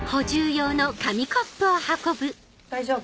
大丈夫？